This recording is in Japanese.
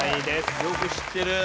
よく知ってる。